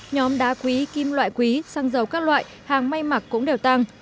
nhóm đá quý kim loại quý xăng dầu các loại hàng may mặc cũng đều tăng